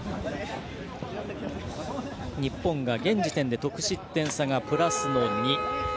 日本が現時点で得失点差がプラスの２。